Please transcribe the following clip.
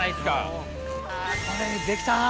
これでできた！